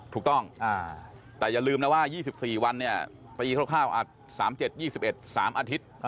ถูกต้องแต่อย่าลืมนะว่า๒๔วันเนี่ยปีคร่าว๓๗๒๑๓อาทิตย์